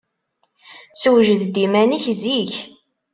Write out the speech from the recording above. Sewjed-d iman-ik zik.